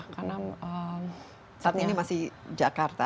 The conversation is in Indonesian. saat ini masih jakarta